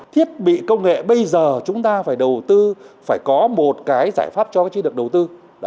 thiết bị công nghệ bây giờ chúng ta phải đầu tư phải có một cái giải pháp cho chiến lược đầu tư